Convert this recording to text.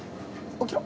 起きろ！